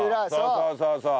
そうそうそうそう。